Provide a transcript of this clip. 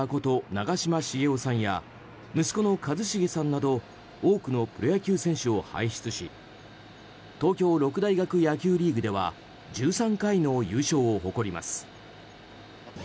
長嶋茂雄さんや息子の一茂さんなど多くのプロ野球選手を輩出し東京六大学野球リーグでは１３回の優勝を誇ります。